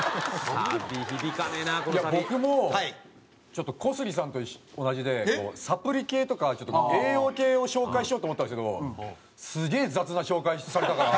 僕もちょっと小杉さんと同じでサプリ系とか栄養系を紹介しようと思ったんですけどすげえ雑な紹介されたから。